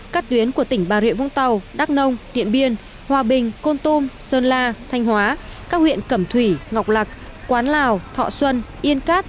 các tuyến của tỉnh bà rịa vũng tàu đắk nông điện biên hòa bình con tum sơn la thanh hóa các huyện cẩm thủy ngọc lạc quán lào thọ xuân yên cát